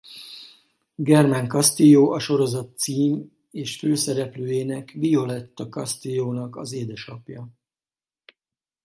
Germán Castillo a sorozat cím- és főszereplőjének Violetta Castillo-nak az édesapja.